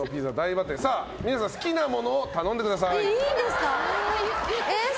皆さん、好きなものを頼んでください。